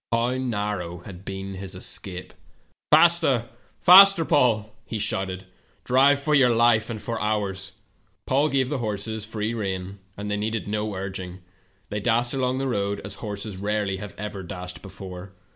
How narrow had been his escape ! "'Faster, faster, Paul!' he shouted; 'drive for your life and for ours.' "Paul gave the horses free rein, and they needed no urging. The^^ dashed along the road as horses rareh" ever dashed before.